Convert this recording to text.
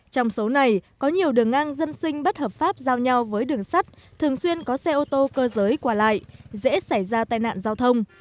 trong số này có nhiều đường ngang dân sinh bất hợp pháp giao nhau với đường sắt thường xuyên có xe ô tô cơ giới qua lại dễ xảy ra tai nạn giao thông